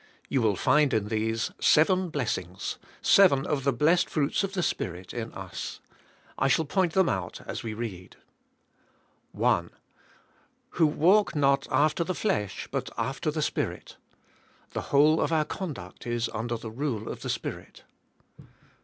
You will find in these seven blessings, seven of the blessed fruits of the Spirit in us. 1 shall point them out as we read, 1. "Who walk not after the flesh but after the Spirit. " The whole of our conduct is under the rule of the Spirit.